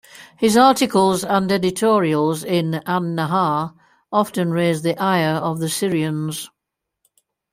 His articles and editorials in "An Nahar" often raised the ire of the Syrians.